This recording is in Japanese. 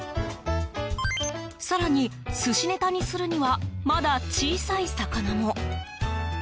更に、寿司ネタにするにはまだ小さい魚も。